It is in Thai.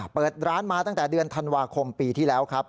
เปิดร้านมาตั้งแต่เดือนธันวาคมปีที่แล้วครับ